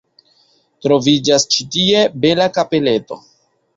Troviĝas ĉi tie bela kapeleto.